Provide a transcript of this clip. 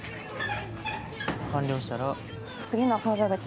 完了したら。